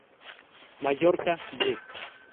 Mallorca "B".